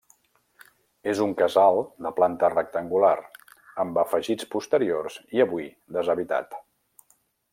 És un casal de planta rectangular, amb afegits posteriors i avui deshabitat.